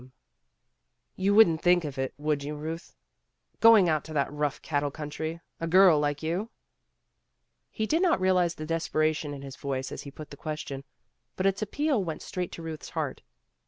142 PEGGY RAYMOND'S WAY "You wouldn't think of it, would you, Euth, going out to that rough cattle country, a girl like you!" He did not realize the desperation in his voice as he put the question, but its appeal went straight to Ruth's heart.